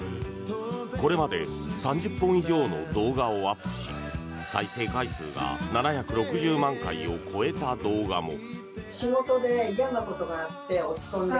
これまで３０本以上の動画をアップし再生回数が７６０万回を超えた動画も。